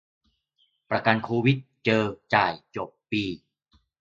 ประกันโควิด เจอ จ่าย จบ ปี